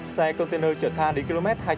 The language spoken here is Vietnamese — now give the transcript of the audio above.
xe container trở tha đến km hai trăm ba mươi chín